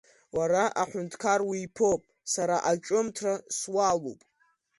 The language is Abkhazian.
Уара аҳәынҭқар уиԥоуп, сара аҿымҭра суалуп.